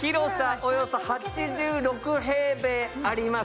およそ８６平米あります。